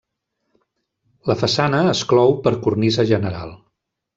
La façana es clou per cornisa general.